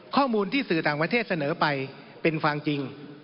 ข้อมูลที่สื่อต่างประเทศเสนอไปเป็นความจริง